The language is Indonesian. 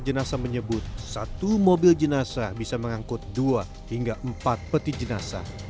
jenazah menyebut satu mobil jenazah bisa mengangkut dua hingga empat peti jenazah